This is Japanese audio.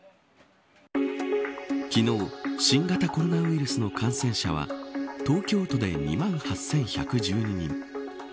昨日新型コロナウイルスの感染者は東京都で２万８１１２人